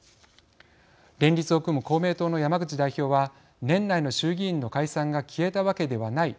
連立を組む公明党の山口代表は「年内の衆議院の解散が消えたわけではない。